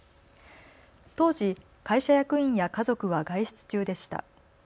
当時、会社役員や家族は外出中でした。